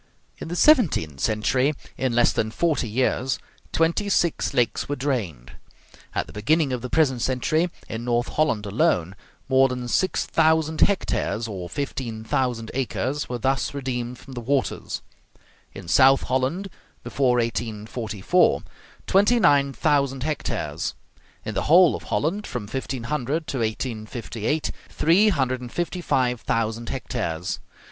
In the seventeenth century, in less than forty years, twenty six lakes were drained. At the beginning of the present century, in North Holland alone, more than six thousand hectares (or fifteen thousand acres) were thus redeemed from the waters; in South Holland, before 1844, twenty nine thousand hectares; in the whole of Holland, from 1500 to 1858, three hundred and fifty five thousand hectares.